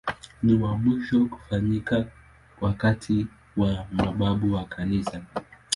Ni wa mwisho kufanyika wakati wa mababu wa Kanisa.